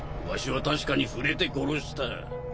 わしは確かに触れて殺した。